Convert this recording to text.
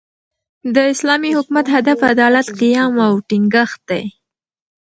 د اسلامي حکومت، هدف عدالت، قیام او ټینګښت دئ.